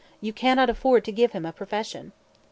You cannot afford to give him a profession."